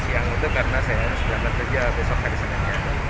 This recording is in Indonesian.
yang itu karena saya harus berangkat kerja besok hari senin